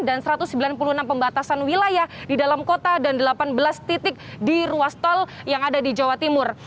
dan satu ratus sembilan puluh enam pembatasan wilayah di dalam kota dan delapan belas titik di ruas tol yang ada di jawa timur